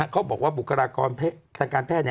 เขาบอกว่าบุคลากรทางการแพทย์